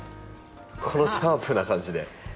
このシャープな感じで。